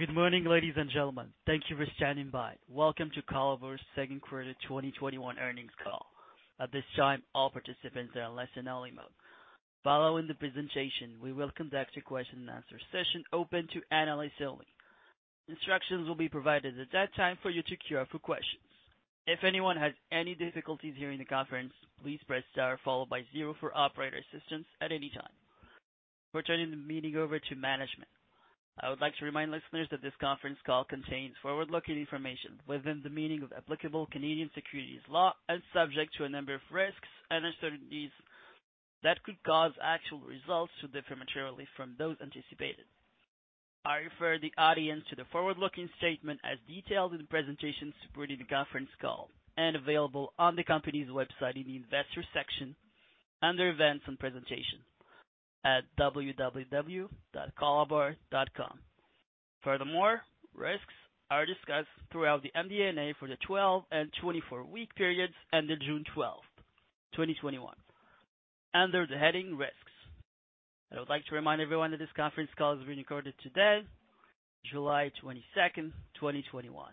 Good morning, ladies and gentlemen. Thank you for standing by. Welcome to Colabor's Second Quarter 2021 Earnings Call. At this time, all participants are in listen-only mode. Following the presentation, we will conduct a question and answer session open to analysts only. Instructions will be provided at that time for you to queue up for questions. If anyone has any difficulties hearing the conference, please press star followed by zero for operator assistance at any time. We're turning the meeting over to management. I would like to remind listeners that this conference call contains forward-looking information within the meaning of applicable Canadian securities law, and subject to a number of risks and uncertainties that could cause actual results to differ materially from those anticipated. I refer the audience to the forward-looking statement as detailed in the presentation supporting the conference call, and available on the company's website in the Investors section under Events and Presentation at www.colabor.com. Furthermore, risks are discussed throughout the MD&A for the 12 and 24-week periods ended June 12th, 2021 under the heading Risks. I would like to remind everyone that this conference call is being recorded today, July 22nd, 2021.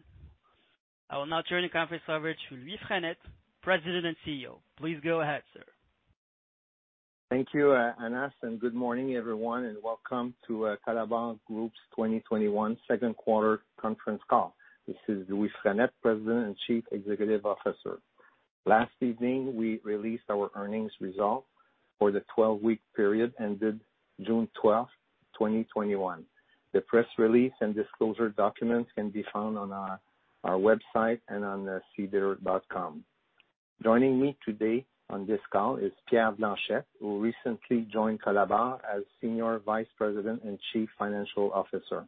I will now turn the conference over to Louis Frenette, President and CEO. Please go ahead, sir. Thank you, Anas, good morning, everyone, and welcome to Colabor Group's 2021 Second Quarter Conference Call. This is Louis Frenette, President and Chief Executive Officer. Last evening, we released our earnings result for the 12-week period ended June 12th, 2021. The press release and disclosure documents can be found on our website and on sedar.com. Joining me today on this call is Pierre Blanchette, who recently joined Colabor as Senior Vice President and Chief Financial Officer.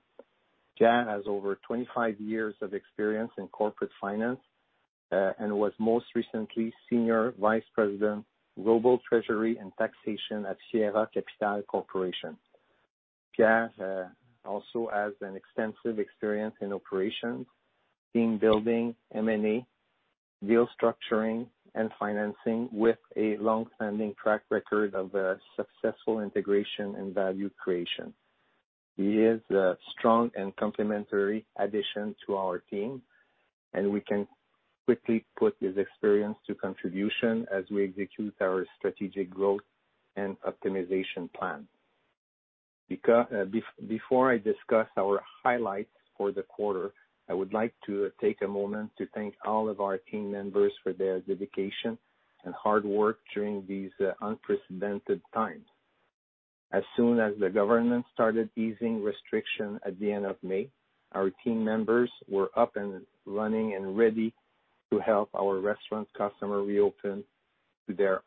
Pierre has over 25 years of experience in corporate finance, and was most recently Senior Vice President, Global Treasury and Taxation at Fiera Capital Corporation. Pierre also has an extensive experience in operations, team building, M&A, deal structuring and financing, with a long-standing track record of successful integration and value creation. He is a strong and complementary addition to our team, and we can quickly put his experience to contribution as we execute our strategic growth and optimization plan. Before I discuss our highlights for the quarter, I would like to take a moment to thank all of our team members for their dedication and hard work during these unprecedented times. As soon as the government started easing restriction at the end of May, our team members were up and running and ready to help our restaurant customer reopen their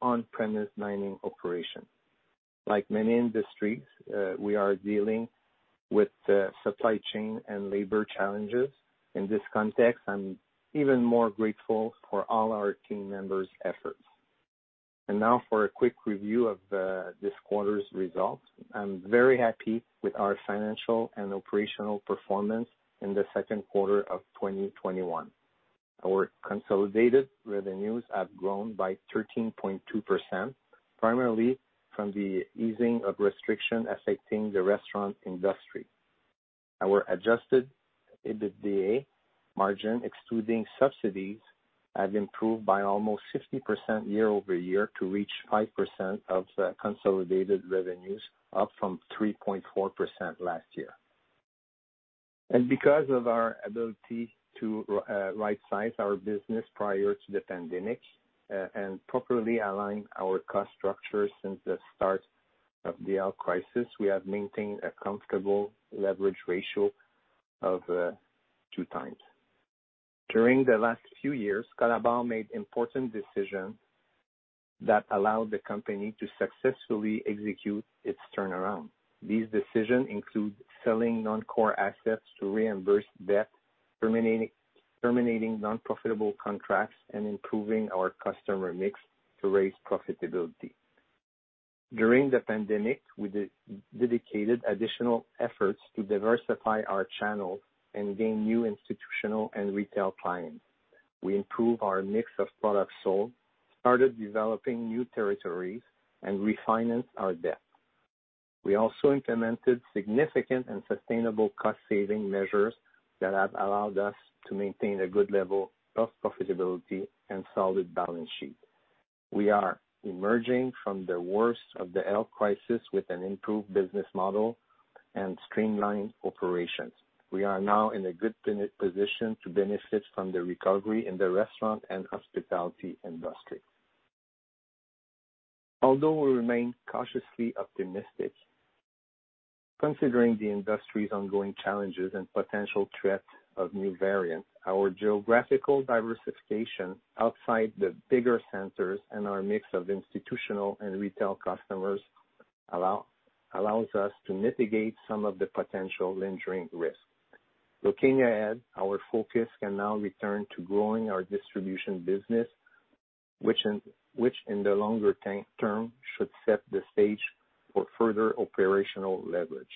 on-premise dining operation. Like many industries, we are dealing with supply chain and labor challenges. In this context, I'm even more grateful for all our team members' efforts. Now for a quick review of this quarter's results. I'm very happy with our financial and operational performance in the second quarter of 2021. Our consolidated revenues have grown by 13.2%, primarily from the easing of restriction affecting the restaurant industry. Our adjusted EBITDA margin, excluding subsidies, have improved by almost 50% year-over-year to reach 5% of the consolidated revenues, up from 3.4% last year. Because of our ability to rightsize our business prior to the pandemic, and properly align our cost structure since the start of the health crisis, we have maintained a comfortable leverage ratio of 2x. During the last few years, Colabor made important decisions that allowed the company to successfully execute its turnaround. These decisions include selling non-core assets to reimburse debt, terminating non-profitable contracts, and improving our customer mix to raise profitability. During the pandemic, we dedicated additional efforts to diversify our channels and gain new institutional and retail clients. We improved our mix of products sold, started developing new territories, and refinanced our debt. We also implemented significant and sustainable cost-saving measures that have allowed us to maintain a good level of profitability and solid balance sheet. We are emerging from the worst of the health crisis with an improved business model and streamlined operations. We are now in a good position to benefit from the recovery in the restaurant and hospitality industry. Although we remain cautiously optimistic, considering the industry's ongoing challenges and potential threats of new variants, our geographical diversification outside the bigger centers and our mix of institutional and retail customers allows us to mitigate some of the potential lingering risks. Looking ahead, our focus can now return to growing our distribution business, which in the longer term should set the stage for further operational leverage.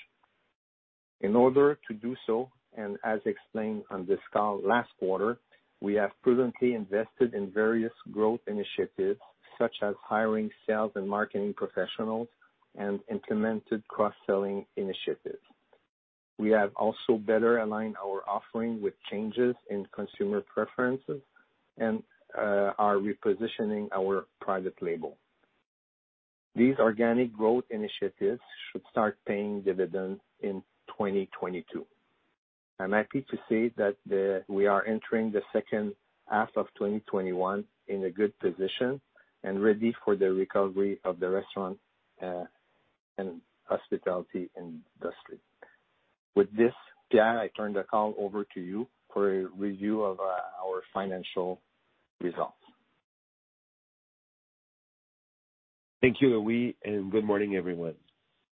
In order to do so, and as explained on this call last quarter, we have prudently invested in various growth initiatives, such as hiring sales and marketing professionals, and implemented cross-selling initiatives. We have also better aligned our offering with changes in consumer preferences and are repositioning our private label. These organic growth initiatives should start paying dividends in 2022. I'm happy to say that we are entering the second half of 2021 in a good position and ready for the recovery of the restaurant and hospitality industry. With this, Pierre, I turn the call over to you for a review of our financial results. Thank you, Louis. Good morning, everyone.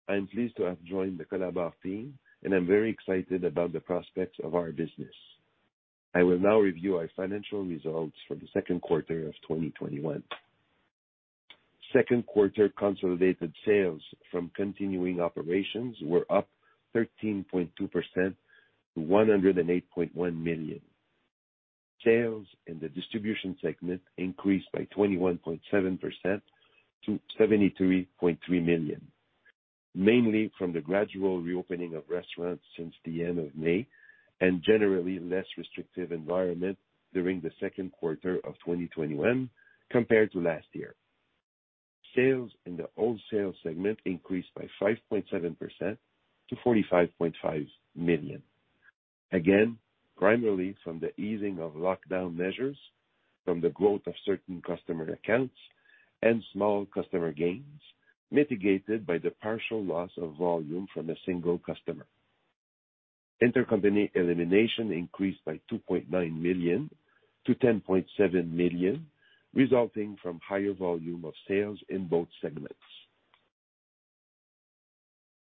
I'm pleased to have joined the Colabor team, and I'm very excited about the prospects of our business. I will now review our financial results for the second quarter of 2021. Second quarter consolidated sales from continuing operations were up 13.2% to 108.1 million. Sales in the Distribution Segment increased by 21.7% to 73.3 million, mainly from the gradual reopening of restaurants since the end of May and generally less restrictive environment during the second quarter of 2021 compared to last year. Sales in the Wholesale Segment increased by 5.7% to 45.5 million. Primarily from the easing of lockdown measures from the growth of certain customer accounts and small customer gains, mitigated by the partial loss of volume from a single customer. Intercompany elimination increased by 2.9 million to 10.7 million, resulting from higher volume of sales in both segments.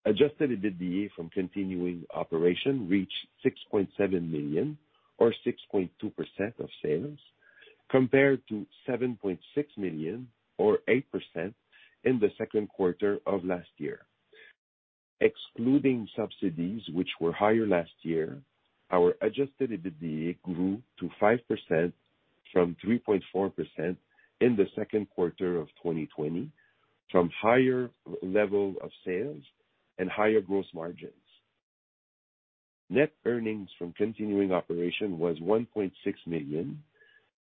Adjusted EBITDA from continuing operation reached 6.7 million or 6.2% of sales, compared to 7.6 million or 8% in the second quarter of last year. Excluding subsidies which were higher last year, our adjusted EBITDA grew to 5% from 3.4% in the second quarter of 2020, from higher level of sales and higher gross margins. Net earnings from continuing operation was 1.6 million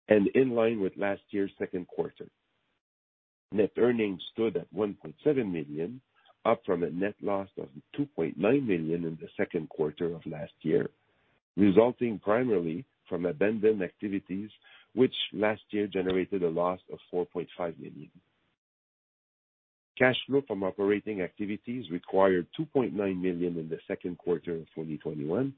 and in line with last year's second quarter. Net earnings stood at 1.7 million, up from a net loss of 2.9 million in the second quarter of last year, resulting primarily from abandoned activities, which last year generated a loss of 4.5 million. Cash flow from operating activities required 2.9 million in the second quarter of 2021,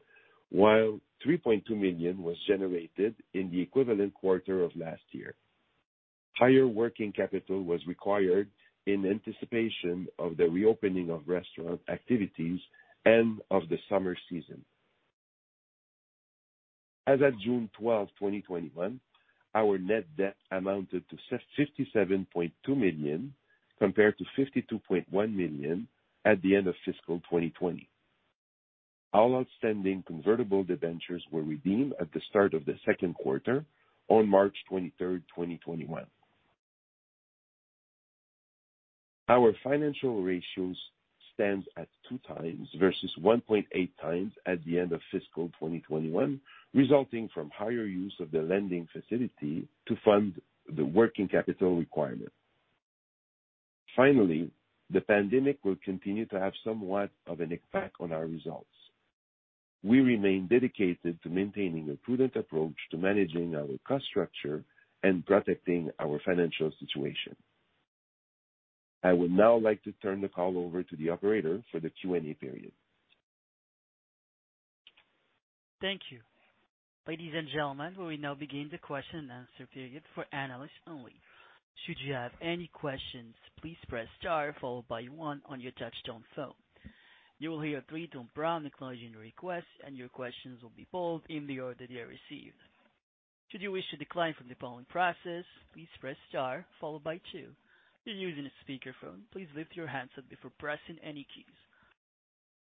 while 3.2 million was generated in the equivalent quarter of last year. Higher working capital was required in anticipation of the reopening of restaurant activities and of the summer season. As at June 12th, 2021, our net debt amounted to 57.2 million, compared to 52.1 million at the end of fiscal 2020. All outstanding convertible debentures were redeemed at the start of the second quarter on March 23rd, 2021. Our financial ratios stand at 2x versus 1.8x at the end of fiscal 2021, resulting from higher use of the lending facility to fund the working capital requirement. The pandemic will continue to have somewhat of an effect on our results. We remain dedicated to maintaining a prudent approach to managing our cost structure and protecting our financial situation. I would now like to turn the call over to the operator for the Q&A period. Thank you. Ladies and gentlemen, we will now begin the question and answer period for analysts only. Should you have any questions, please press star followed by one on your touchtone phone. You will hear a three-tone prompt acknowledging your request, and your questions will be pulled in the order they are received. Should you wish to decline from the polling process, please press star followed by two. If you're using a speakerphone, please lift your handset before pressing any keys.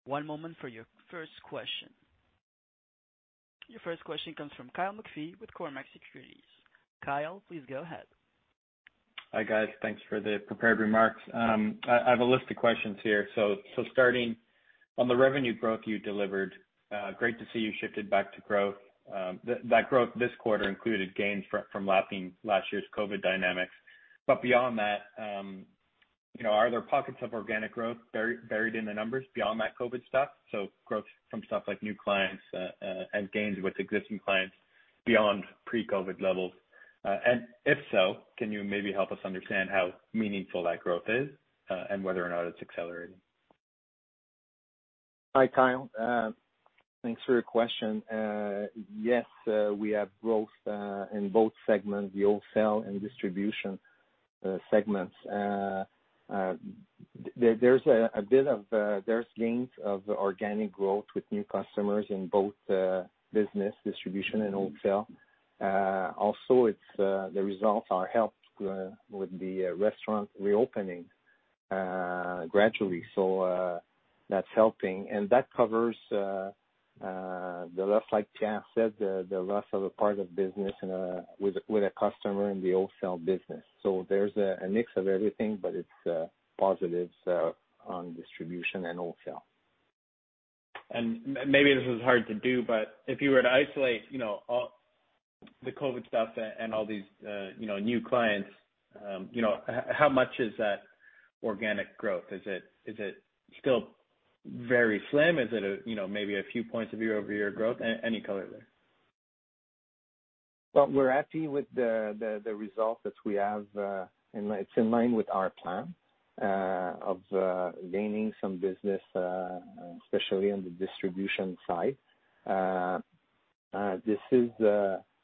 One moment for your first question. Your first question comes from Kyle McPhee with Cormark Securities. Kyle, please go ahead. Hi, guys. Thanks for the prepared remarks. I have a list of questions here. Starting on the revenue growth you delivered, great to see you shifted back to growth. That growth this quarter included gains from lapping last year's COVID dynamics. Beyond that, are there pockets of organic growth buried in the numbers beyond that COVID stuff? Growth from stuff like new clients and gains with existing clients beyond pre-COVID levels. If so, can you maybe help us understand how meaningful that growth is and whether or not it's accelerating? Hi, Kyle. Thanks for your question. Yes, we have growth in both segments, the wholesale and distribution segments. There's gains of organic growth with new customers in both business distribution and wholesale. The results are helped with the restaurant reopening gradually. That's helping, and that covers the rest, like Pierre said, the rest of a part of business with a customer in the wholesale business. There's a mix of everything, but it's positives on distribution and wholesale. Maybe this is hard to do, but if you were to isolate all the COVID stuff and all these new clients, how much is that organic growth? Is it still very slim? Is it maybe a few points of year-over-year growth? Any color there? Well, we're happy with the result that we have. It's in line with our plan of gaining some business, especially on the distribution side. This is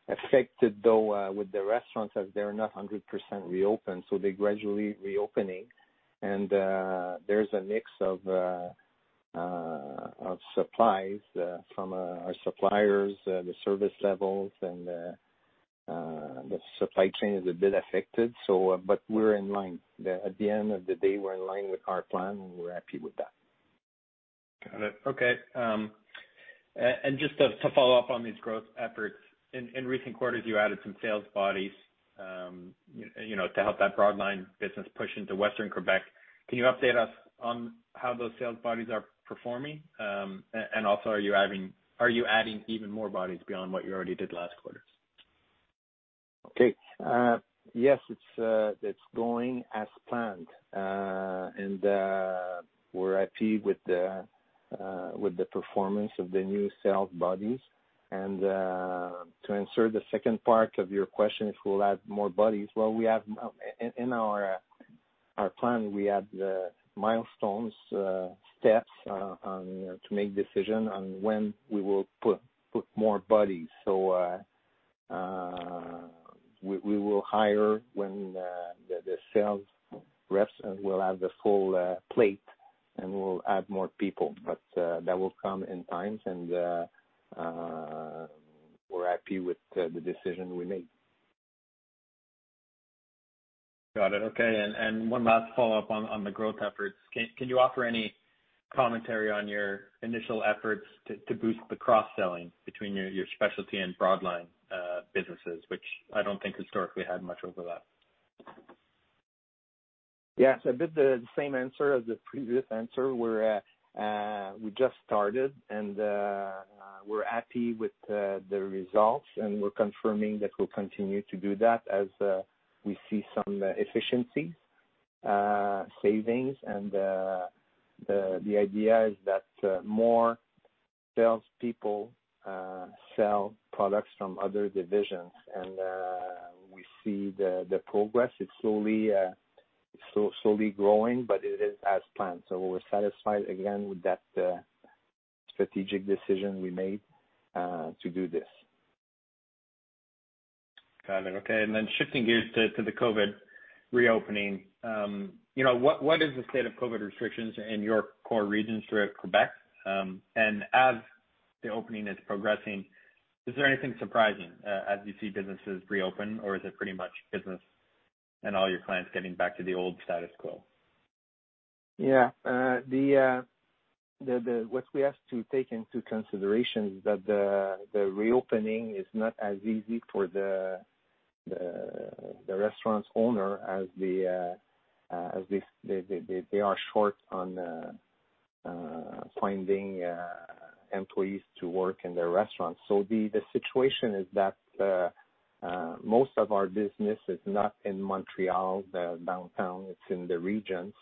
affected, though, with the restaurants, as they're not 100% reopened. They're gradually reopening. There's a mix of supplies from our suppliers, the service levels, and the supply chain is a bit affected. We're in line. At the end of the day, we're in line with our plan, and we're happy with that. Got it. Okay. Just to follow up on these growth efforts. In recent quarters, you added some sales bodies to help that broad line business push into Western Quebec. Can you update us on how those sales bodies are performing? Also, are you adding even more bodies beyond what you already did last quarter? Okay. Yes, it is going as planned. We are happy with the performance of the new sales bodies. To answer the second part of your question, if we will add more bodies. Well, in our plan, we have milestones, steps to make decision on when we will put more bodies. We will hire when the sales reps will have the full plate, and we will add more people. That will come in times. We are happy with the decision we made. Got it. Okay. One last follow-up on the growth efforts. Can you offer any commentary on your initial efforts to boost the cross-selling between your specialty and broad line businesses, which I don't think historically had much overlap? Yes, a bit the same answer as the previous answer. We just started, and we're happy with the results, and we're confirming that we'll continue to do that as we see some efficiency savings. The idea is that more salespeople sell products from other divisions. We see the progress. It's slowly growing, but it is as planned. We're satisfied, again, with that strategic decision we made to do this. Got it. Okay. Shifting gears to the COVID reopening. What is the state of COVID restrictions in your core regions throughout Quebec? As the opening is progressing, is there anything surprising as you see businesses reopen, or is it pretty much business and all your clients getting back to the old status quo? Yeah. What we ask to take into consideration is that the reopening is not as easy for the restaurant's owner as they are short on finding employees to work in their restaurants. The situation is that most of our business is not in Montreal downtown, it's in the region.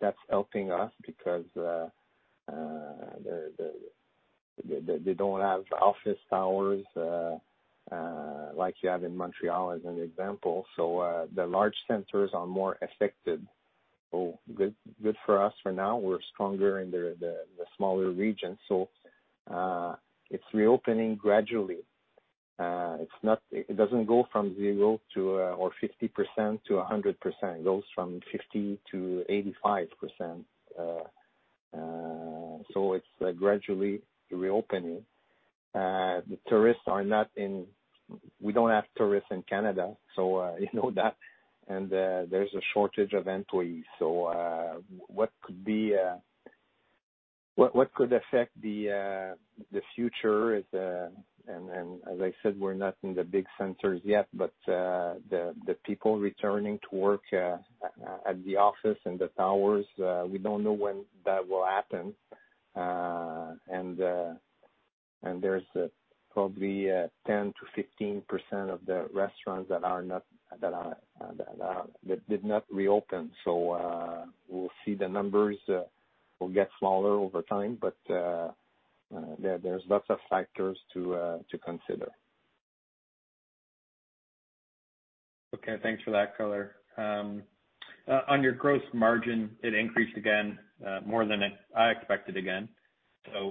That's helping us because they don't have office towers like you have in Montreal, as an example. The large centers are more affected. Good for us for now. We're stronger in the smaller regions. It's reopening gradually. It doesn't go from 0% or 50% to 100%. It goes from 50% to 85%. It's gradually reopening. We don't have tourists in Canada, you know that. There's a shortage of employees. What could affect the future is, and as I said, we're not in the big centers yet, but the people returning to work at the office and the towers, we don't know when that will happen. There's probably 10%-15% of the restaurants that did not reopen. We'll see the numbers will get smaller over time, but there's lots of factors to consider. Okay. Thanks for that color. On your gross margin, it increased again, more than I expected again.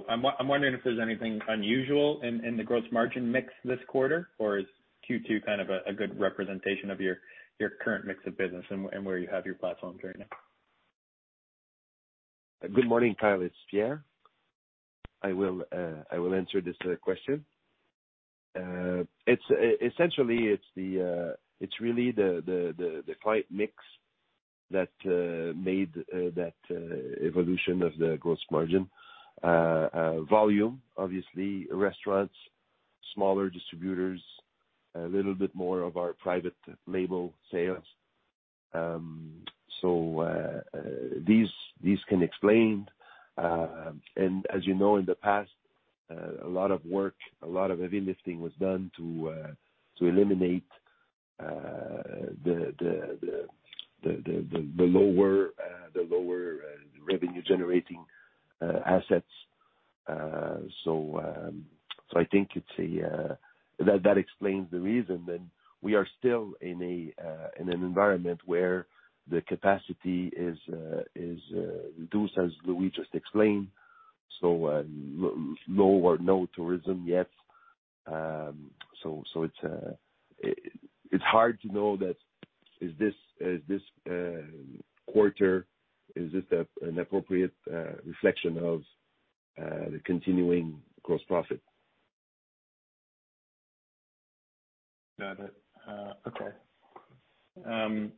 I'm wondering if there's anything unusual in the gross margin mix this quarter, or is Q2 kind of a good representation of your current mix of business and where you have your platforms right now? Good morning, Kyle. It's Pierre. I will answer this question. Essentially, it's really the product mix that made that evolution of the gross margin. Volume, obviously, restaurants, smaller distributors, a little bit more of our private label sales. These can explain. As you know, in the past, a lot of work, a lot of heavy lifting was done to eliminate the lower revenue-generating assets. I think that explains the reason. We are still in an environment where the capacity is reduced, as Louis just explained. Low or no tourism yet. It's hard to know that, is this quarter, is this an appropriate reflection of the continuing gross profit? Got it. Okay.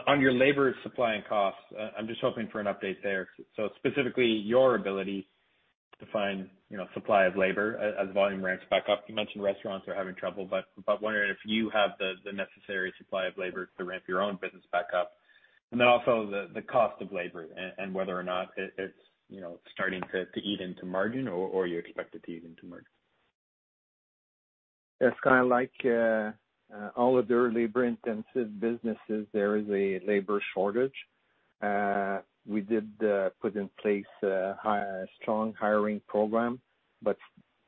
On your labor supply and costs, I'm just hoping for an update there, specifically, your ability to find supply of labor as volume ramps back up. You mentioned restaurants are having trouble, but I am wondering if you have the necessary supply of labor to ramp your own business back up? I am also wondering about the cost of labor and whether or not it's starting to eat into margin, or you expect it to eat into margin? It's kind of like all other labor-intensive businesses. There is a labor shortage. We did put in place a strong hiring program, but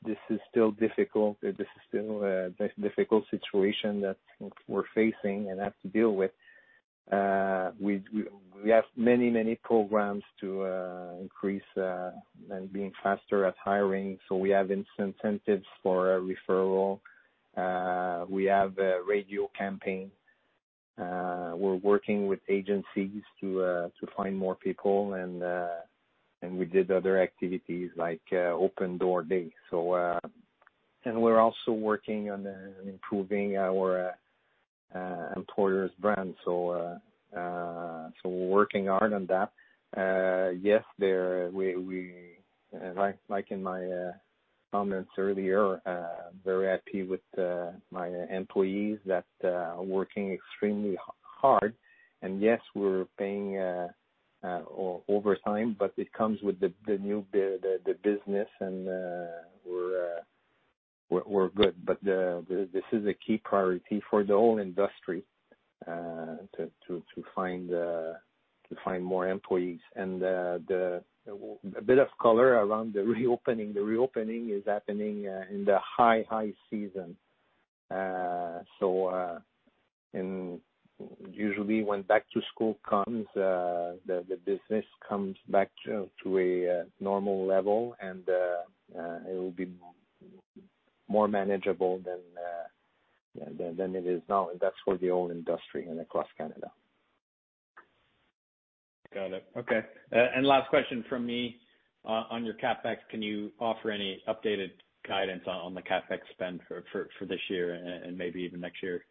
this is still a difficult situation that we're facing and have to deal with. We have many programs to increase and being faster at hiring. We have incentives for a referral. We have a radio campaign. We're working with agencies to find more people. We did other activities like open door day. We're also working on improving our employer's brand. We're working hard on that. Yes, like in my comments earlier, very happy with my employees that are working extremely hard. Yes, we're paying overtime, but it comes with the business and we're good. This is a key priority for the whole industry, to find more employees. A bit of color around the reopening. The reopening is happening in the high season. Usually when back to school comes, the business comes back to a normal level, and it will be more manageable than it is now. That's for the whole industry and across Canada. Got it. Okay. Last question from me. On your CapEx, can you offer any updated guidance on the CapEx spend for this year and maybe even next year?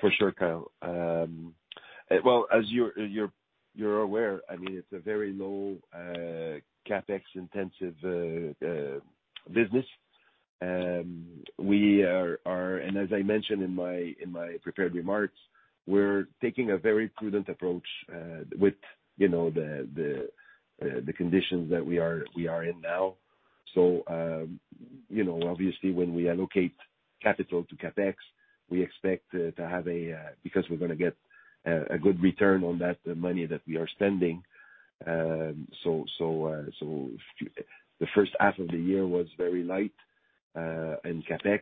For sure, Kyle. Well, as you're aware, it's a very low CapEx-intensive business. As I mentioned in my prepared remarks, we're taking a very prudent approach with the conditions that we are in now. Obviously, when we allocate capital to CapEx, we expect to get a good return on that money that we are spending. The first half of the year was very light in CapEx.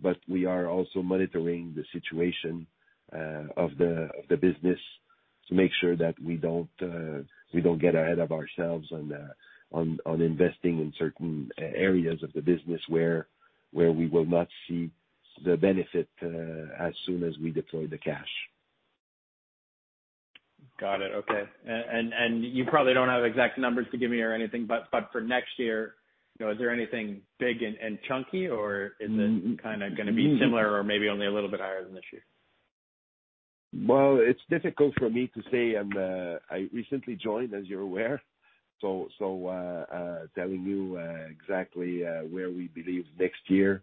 We expect in the second half to deploy a little bit more. We are also monitoring the situation of the business to make sure that we don't get ahead of ourselves on investing in certain areas of the business where we will not see the benefit as soon as we deploy the cash. Got it. Okay. You probably don't have exact numbers to give me or anything, but for next year, is there anything big and chunky, or is it kind of going to be similar or maybe only a little bit higher than this year? Well, it's difficult for me to say. I recently joined, as you're aware, so telling you exactly where we believe next year,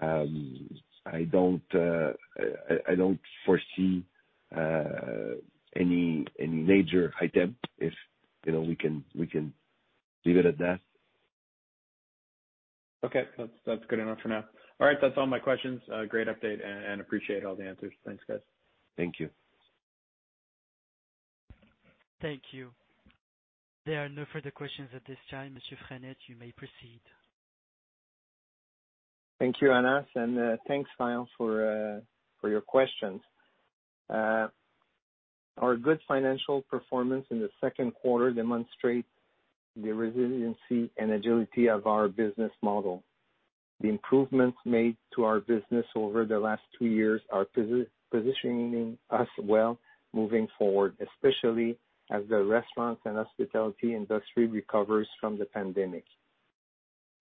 I don't foresee any major item, if we can leave it at that. Okay. That's good enough for now. All right, that's all my questions. Great update, and appreciate all the answers. Thanks, guys. Thank you. Thank you. There are no further questions at this time. Monsieur Frenette, you may proceed. Thank you, Anas, and thanks, Kyle, for your questions. Our good financial performance in the second quarter demonstrates the resiliency and agility of our business model. The improvements made to our business over the last two years are positioning us well moving forward, especially as the restaurant and hospitality industry recovers from the pandemic.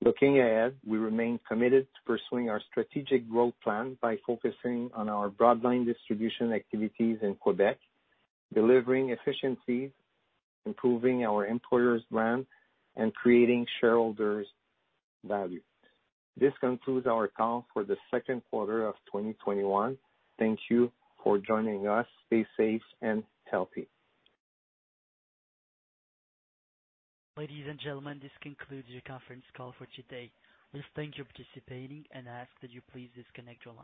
Looking ahead, we remain committed to pursuing our strategic growth plan by focusing on our broadline distribution activities in Quebec, delivering efficiencies, improving our employer's brand, and creating shareholders value. This concludes our call for the second quarter of 2021. Thank you for joining us. Stay safe and healthy. Ladies and gentlemen, this concludes your conference call for today. We thank you for participating and ask that you please disconnect your lines.